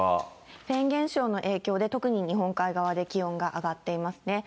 フェーン現象の影響で、特に日本海側で気温が上がっていますね。